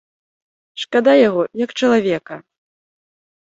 Шкада яго, як чалавека.